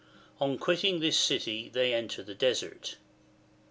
On quitting this city they enter the Desert.